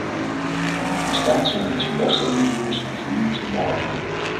We moeten in staat zijn onze beste onderzoekers en vernieuwers te behouden.